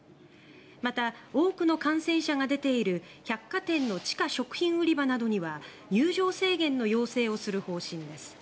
また、多くの感染者が出ている百貨店の地下食品売り場などには入場制限の要請をする方針です。